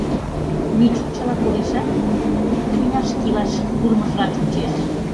Мичу чыла колешат, у тӱняшке илаш пурымыжла чучеш.